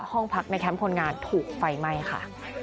ห้องพักในแคมป์คนงานถูกไฟไหม้ค่ะ